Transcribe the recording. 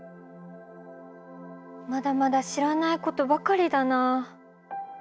まだまだ知らないことばかりだなあ。